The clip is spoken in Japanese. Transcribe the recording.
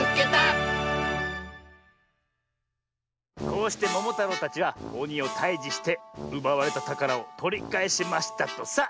「こうしてももたろうたちはおにをたいじしてうばわれたたからをとりかえしましたとさ。